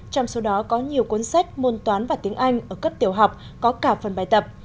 trong số đó có nhiều cuốn sách môn toán và tiếng anh ở cấp tiểu học có cả phần bài tập